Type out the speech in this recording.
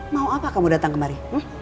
mau apa kamu datang kemari